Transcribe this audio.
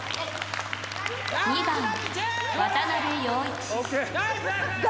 ２番渡部陽一。